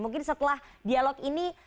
mungkin setelah dialog ini